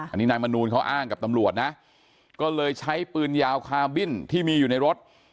อันนี้นายมนูลเขาอ้างกับตำรวจนะก็เลยใช้ปืนยาวคาบินที่มีอยู่ในรถ